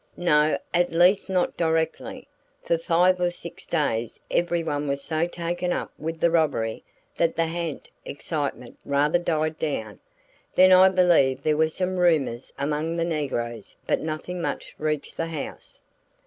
"No, at least not directly. For five or six days everyone was so taken up with the robbery that the ha'nt excitement rather died down. Then I believe there were some rumors among the negroes but nothing much reached the house."